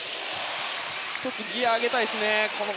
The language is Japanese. ギアを上げたいですね。